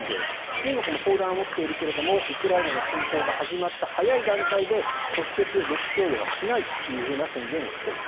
中国も砲弾を持っているけれどもウクライナの侵攻が始まった早い段階で直接、武器供与はしないという宣言をしている。